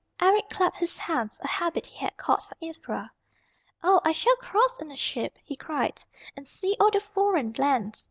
Eric clapped his hands, a habit he had caught from Ivra. "Oh, I shall cross in a ship," he cried, "and see all the foreign lands.